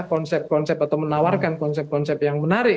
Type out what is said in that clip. konsep konsep atau menawarkan konsep konsep yang menarik